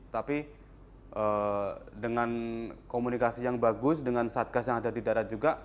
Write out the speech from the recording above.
tapi dengan komunikasi yang bagus dengan satgas yang ada di darat juga